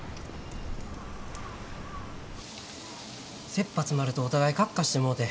せっぱ詰まるとお互いカッカしてもうて。